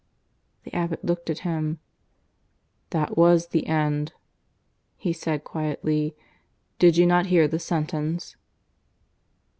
The abbot looked at him. "That was the end," he said quietly. "Did you not hear the sentence?"